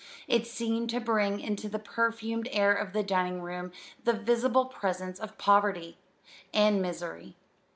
It seemed to bring into the perfumed air of the dining room the visible presence of poverty and misery.